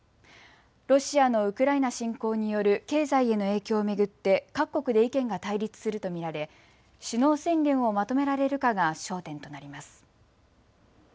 ロシアのウクライナ侵攻による経済への影響を巡って各国で意見が対立すると見られ首脳宣言をまとめられるかが焦点となります。